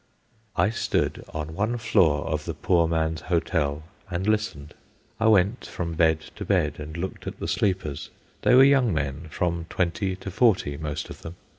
I stood on one floor of the poor man's hotel and listened. I went from bed to bed and looked at the sleepers. They were young men, from twenty to forty, most of them.